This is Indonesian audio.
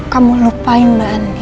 kamu lupain mbak andin